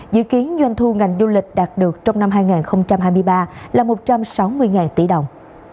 dự kiến doanh thu ngành du lịch đạt được trong năm hai nghìn hai mươi ba là một trăm sáu mươi tỷ đồng